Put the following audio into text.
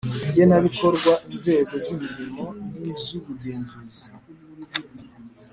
igenabikorwa inzego z imirimo n iz ubugenzuzi